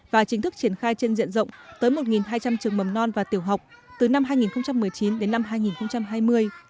và chính thức triển khai trên diện rộng tới một hai trăm linh trường mầm non và tiểu học từ năm hai nghìn một mươi chín đến năm hai nghìn hai mươi